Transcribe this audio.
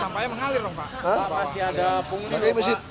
sampahnya mengalir pak